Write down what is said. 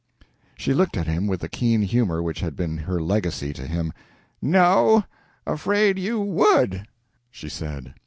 She looked at him with the keen humor which had been her legacy to him. "No, afraid you would," she said.